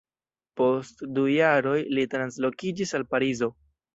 Post du jaroj li translokiĝis al Parizo.